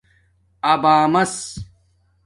ابݳمیس